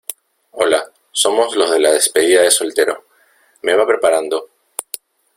hola, somos los de la despedida de soltero. me va preparando